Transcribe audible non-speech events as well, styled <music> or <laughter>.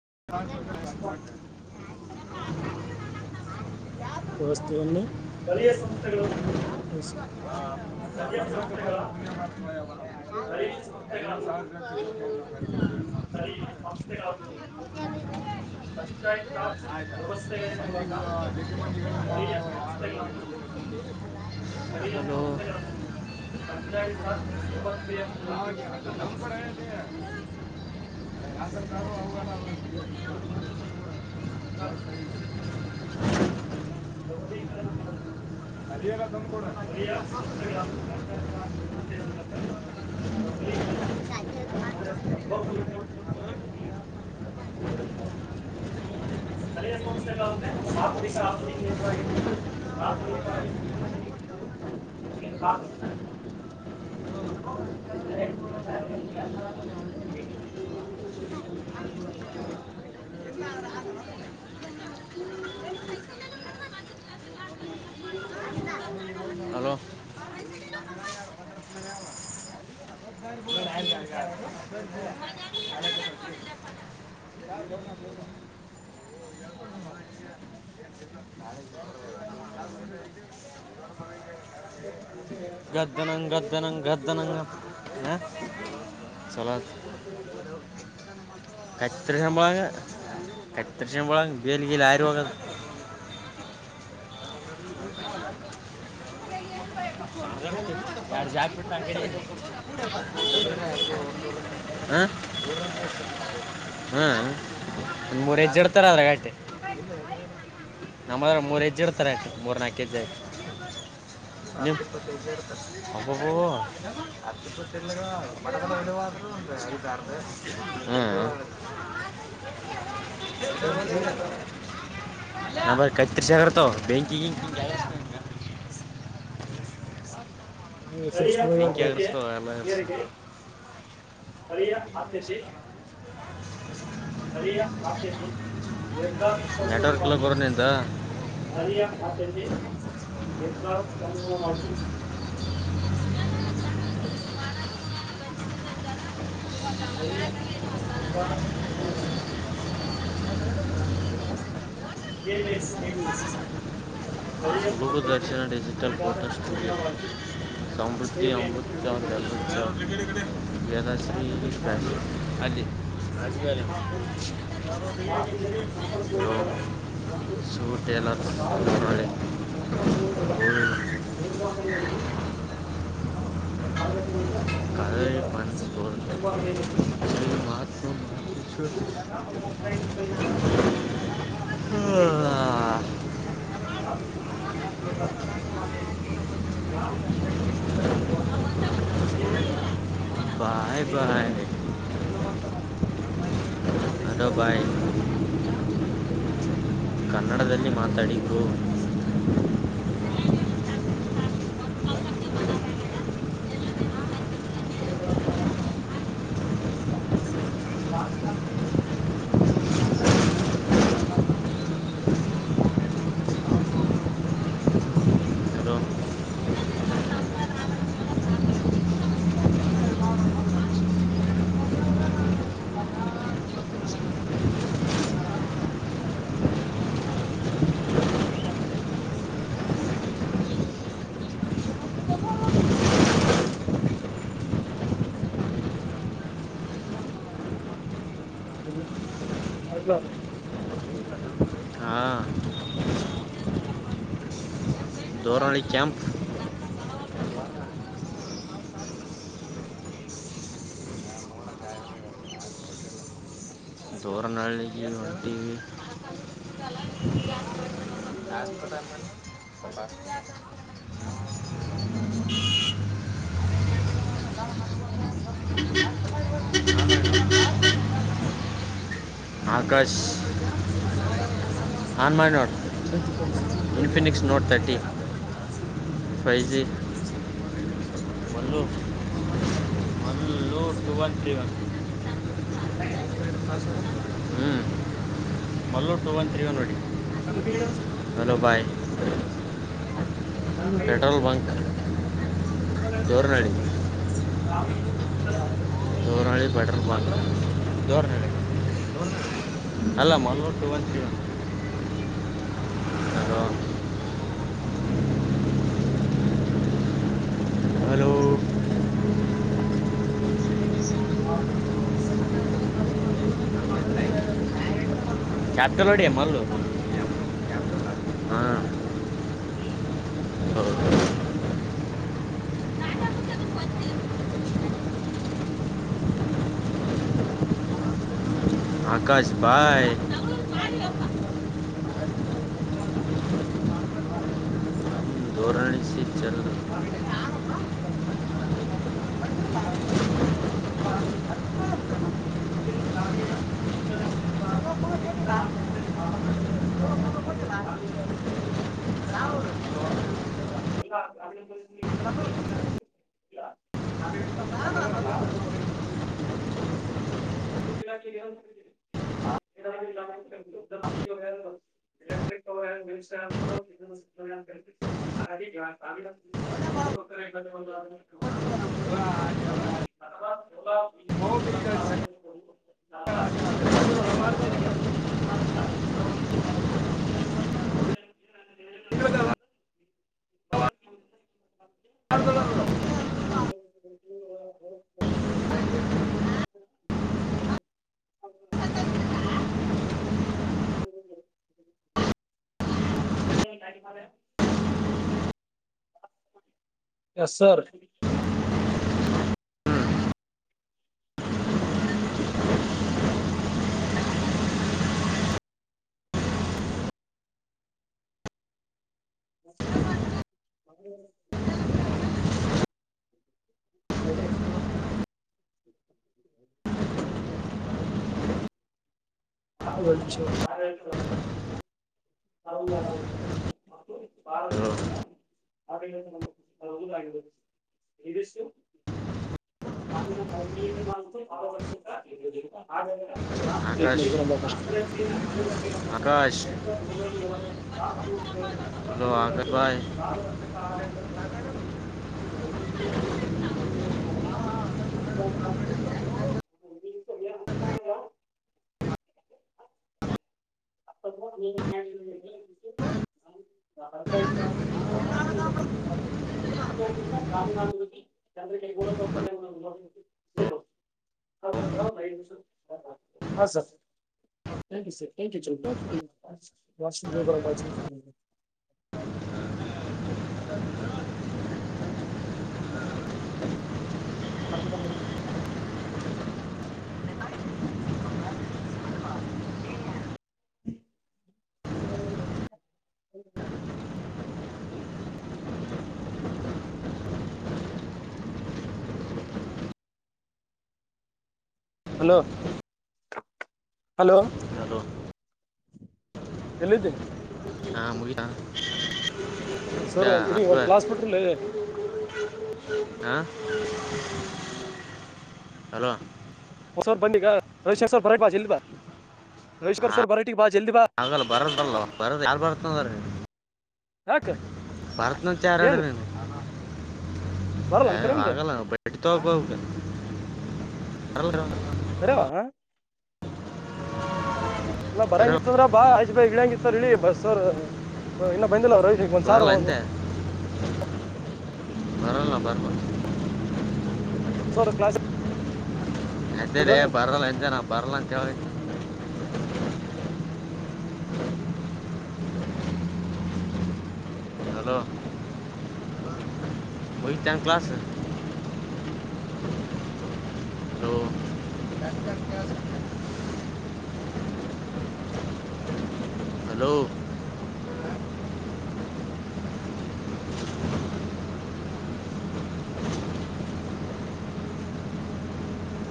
<inaudible> <unintelligible> ವ್ಯವಸ್ಥೆಯನ್ನು ಸ್ಥಳೀಯ ಸಂಸ್ಥೆಗಳು <unintelligible> <unintelligible> ಸ್ಥಳೀಯ ಸಂಸ್ಥೆಗಳನ್ನು ಪಚಾಯತ್ ರಾಜ್ ಆಯ್ತಾ ವ್ಯವಸ್ಥೆಯ ಮೂಲಕ ಮಂದಿಗೆ ಜಗ್ಗಿ ಮಂದಿಗಳು ಸ್ಥಳೀಯ ಯಾರು ಸಂಸ್ಥೆಗಳನ್ನು ಸ್ಥಳೀಯ ಹಲೋ ಸಂಸ್ಥೆಗಳನ್ನು ಪಂಚಾಯತ್ ರಾಜ್ ವ್ಯವಸ್ಥೆಯ ಮೂಲಕ ಆವಾಗ ನಮ್ಮ ಕಡೆ <unintelligible> ಸಬಲೀಕರಣ ಮಾಡಬೇಕ. ಅದೇ ಏನ ತಂಪು. ಸ್ಥಳೀಯ ಸಂಸ್ಥೆಗಳನ್ನು ಕಟ್ಟಡದಾಗ ವ್ಯವಸ್ಥೆಯ ಮೂಲಕ ಸಬಲೀಕರಣ <unintelligible> ಸ್ಥಳೀಯ ಸಂಸ್ಥೆಗಳು ಅಂದ್ರೆ ಆಧುನಿಕ <unintelligible> <unintelligible> ಹಲೋ <unintelligible> ಗದ್ದನಂಗ್ ಗದ್ದನಂಗ್ ಗದ್ದನಂಗ್ ಅಂತ ಹ್ಯಾ ಛಲೋ ಆತ್. ಹೆಕ್ತರೆ ಮಾಹ್ಯಾ ಕತ್ತಿರಿ ಸಿಂಬಳಾಗ ಬೆಲ್ ಗಿಲ್ ಹಾರಿಹೋಗದ. ಹ ಹ್ಮ ಮೂರು ಹೆಜ್ಜ್ ಇಡ್ತಾರೆ ಅದ್ರಾಟ್ಟೆ ನಮ್ಮದ್ರ ಮೂರು ಹೆಜ್ಜ್ ಇಡ್ತಾರೆ ಅಟ್ಟೆ. ಮೂರ್ನಾಕ್ ಕೇಜ್ಜಿ ಆಯತ ನೀವ್. <unintelligible> ಅಬ್ಬಬಾ <unintelligible> ಐದ ಆರದ. ಹೇಅ. <unintelligible> ನಮ್ಮ ಕತ್ತರಸ್ಯಾಗ ಇರ್ತವ ಬೆಂಕಿ ಗಿಂಕಿ. <unintelligible> ಸ್ಥಳಿಯ. ಬೆಂಕಿ ಆಗಿರ್ಸ್ತಾವ ಎಲ್ಲ ಆಧ್ಯತೆ ಸ್ತಳಿಯ ಆಬಧ್ಯೆತೆ. ನೆಟ್ವರ್ಕ್ ಇಲ್ಲ ಯದ್ದನುಕ್ಕನುಗುಣವಾಗಿ ಬರೋನಿಂದ ಸ್ಥಳೀಯ ಅಭ್ಧೆತೆ ಎಷ್ಟ್ ಸಾವ್ರ. ತಮ್ಮ ಗುಣವಾಗಿ. ಸ್ಥಳೀಯ ಅಧ್ಯತೆ <unintelligible> ಬೇಗ ಏಳ್ಸು ನೀನು. ತುಡುಗು ದರ್ಶನ ಡಿಜಿಟಲ್ ಫೋಟೋ ಸ್ಟೂಡಿಯೋ ಸಮೃದ್ಧಿ ಅಮೃತಚೌ ಬೆಲ್ಲಚ್ಚವ್. ಹೆದರ್ಶ. ಅಲ್ಲಿ ಸುಟ್‌ ಎಲ್ಲರ್ಸ್. ಸಂಪತ್ ಮುಂಗಳು ಬೇರ ಬಾವಿ ನೇಲ್ಲಿ. ಸಾರ್ವಜನಿಕ. ಕದಳ ಪಂನ್ಸ್ ಬೊತ್ ಮಾತ್. ಗ್ರಾಮ ಪಂಚಾಯತಿಗಳಿಂದಾ ನೀಡು ಬಾ. ಸಾರ್ವಜನಿ ಸಂಪನ್ಮೂಲಗಳ ನಿರ್ವಹಣೆಯಲ್ಲಿ ಗ್ರಾಮ ಪಂಚಾಯತಿಗಳಿಂದ ನೀಡುವ ಸೇವೆ ಗಳಹ. ಬಾಯ್ ಬಾಯ್ ಸೇಗೆಗಳು ಗುಣಮಟ್ಟವನ್ನು ಹಲೋ ಬಾಯ್ <inaudible> ಕನ್ನಡದಲ್ಲಿ ಮಾತಾಡಿದ್ದು ಅನ್ಸತ್ತೆ ಫಿಕ್ಸಾ <inaudible> ಹಲೋ ಐದು ಐದಾ <unintelligible> ಹಾಂ ದೋರಾಳಿ ಕ್ಯಾಂಪ್ ಹೊನ್ನಳಿಗಿ ಹೊಂಟಿವಿ <inaudible> ಆಕಾಶ್ ಆನ್ ಮಾಡ್ ನೋ ಅಭಿವೃದ್ಧಿಪಡಿಸಿದೆ. Infinix note thirty five G bun <inaudible> two one three one ಹ್ಮ್ ಅಲ್ಲು two one three one ವಡಿ <inaudible> <inaudible> petrol bunk ಜೋರ್ನಡಿ <unintelligible> ಅದು ಜೋರಾಳಿ ಪೆಟ್ರೋಲ್ ಬಂಕ್ ಜೊರಣಿ ಅಲ್ಲಾ Mangalore two one three one. ಅದು ಹಲೋ <inaudible> <inaudible> ಜಾತಲೋಡಿ ಎ ಮಲ್ಲು ಹಾ <inaudible> ಆಕಾಶ್ ಬಾಯ್ <inaudible> ಧೋರಣಿಸಿ <inaudible> <unintelligible> <unintelligible> <unintelligible> <inaudible> ಅಲ್ವ ಲೆ. ನ ಭ <inaudible> ಎಸ್ಸಾರ್. ಹ್ <inaudible> <inaudible> ಬಾಳ <inaudible> ಆ ಕ ನ <unintelligible> ಮ ಇದಿಷ್ಟು <inaudible> ಕಾರ್ಯದರ್ಶಿತ ಆಕಾಶ್ ಆಕಾಶ್ ಹಲೋ ಆಗದ್ ಬಾಯ್ <unintelligible> <unintelligible> ಹಾ ಸರ್ ಥ್ಯಾಂಕ್ಯು ಸರ್ ಥ್ಯಾಂಕ್ಯೂ ಚಿಲ್ಡ್ರ ವಾಶ್ರೂಮ್ ಹೋಗ್ ಬರನ ಬಾ. <inaudible> ಹದುರಿ ಹ್ಮ ಹಲೋ. ಹಲೋ ಹಲೋ ಎಲ್ಲಿದ್ಧಿ ಹಾ ಮುಗಿತಾ. ಒಂದ್ ಸರ್ ಒಂದ್ ತಿನಿ ಒಂದ್ ಕ್ಲಾಸ್ ಬಿಟ್ರಲ್ಲ ಹೇಳೀ. ಹ ಹಲೋ. ಹೊಸವರು ಬಂದಿಗ ರವಿಶಂಕ್ಸ್ ಬರ್ ಬ ಜಲ್ದ ಬಾ. ರವಿಶಂಕರ್ ಹ ಸರ್ ಬರಟಿಗೆ ಬಾ ಜಲ್ದಿ ಬಾ ಹಾಗಲ್ಲ ಬರದಲ್ ಬರದು ಯಲ್ ಬರ್ತದೀ ಯಾಕ್ಲೆ. ಭರತ್ನಿಚಾರೆಳ್ದೆ ನೇನು. ಬರಲ್ಲ ಹೆ ಅನ್ಕರ ಅಂದ್ರ ಆಗಲ್ಲ ಬಟ್ಟಿ ತಗೊಬೆಕ. ಬರಲ್ಲ ಬರವಾ. ಇಲ್ಲ ಕರೆ ಬರಂಗಿತ್ತು ಅಂದ್ರೆ ಬಾ ಆಯುಶ್ ಬಾಯ್ ಇಳ್ಯಂಗ್ ಇತ್ತು ಅಂದ್ರೆ ಇಳಿ ಬಸ್ಸೊರ್ ಇನ್ನ ಬಂದಿಲ. ಪರಿಶಕ್ ಒಂದ ಸಾವ್ರ ಬರಲ್ಲ ಒ. ಅಂದೆ ಬರಲ್ಲ ಬರ್ಬ. ಫಾರ ಕ್ಲಾಸ್. ದಿದ್ದೆಲೆ ಬರಲ್ಲ ಎದ್ದೆ ನಾ ಬರಲ್ಲ ಅನ್. <unintelligible> ಹಲೋ. ಮುಗಿತ್ತ್ಯಾನ್ ಕ್ಲಾಸ್ ಹಲೋ ಕಟ್ ಕಟ್ ಕೆಲ್ಸ. ಹಲೋ.